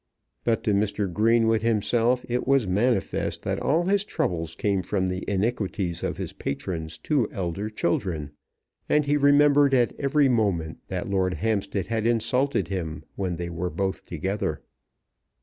But to Mr. Greenwood himself it was manifest that all his troubles came from the iniquities of his patron's two elder children; and he remembered at every moment that Lord Hampstead had insulted him when they were both together.